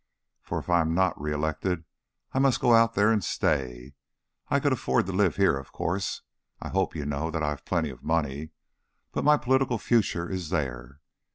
For if I am not re elected I must go out there and stay. I could afford to live here, of course I hope you know that I have plenty of money but my political future is there.